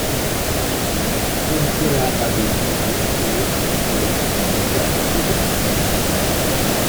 Comme cela avait été et est le cas à Bégard.